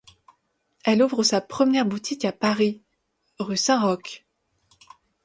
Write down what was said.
Elle ouvre sa première boutique à Paris, rue Saint-Roch.